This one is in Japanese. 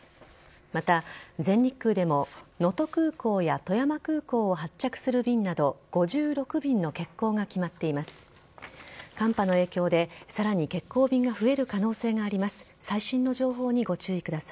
また、全日空でも能登空港や富山空港を発着する便など、５６便の欠航が決まっています。